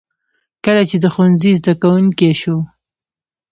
کله چې د ښوونځي زده کوونکی شو.